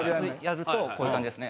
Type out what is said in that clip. こういう感じですね。